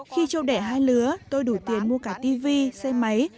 khi trâu đẻ hai lứa tôi đủ tiền mua cả tivi xe máy